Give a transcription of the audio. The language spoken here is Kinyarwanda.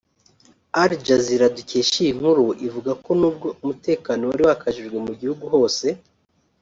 AlJazeera dukesha iyi nkuru ivuga ko nubwo umutekano wari wakajijwe mu gihugu hose